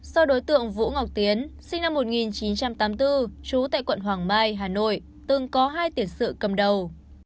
do đối tượng vũ ngọc tiến sinh năm một nghìn chín trăm tám mươi bốn trú tại quận hoàng mai hà nội từng có hai tiền sự cầm đầu